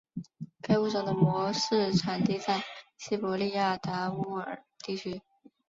该物种的模式产地在西伯利亚达乌尔地区。